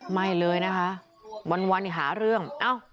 หมายเลยนะคะวันอยู่หารื่อง